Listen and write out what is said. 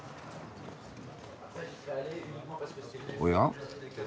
おや？